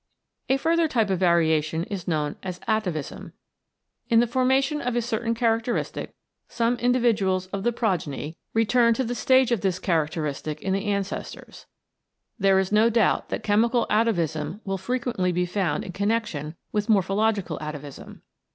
A further type of variation is known as Atavism. In the formation of a certain characteristic some individuals of the progeny return to the stage i39 CHEMICAL PHENOMENA IN LIFE of this characteristic in the ancestors. There is no doubt that chemical atavism will frequently be found in connection with morphological atavism.